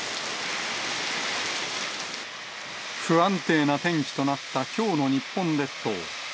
不安定な天気となったきょうの日本列島。